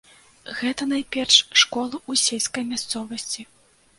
Гэта найперш школы ў сельскай мясцовасці.